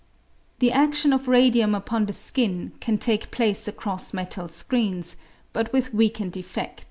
The adion of radium upon the skin can take place across metal screens, but with weakened effed.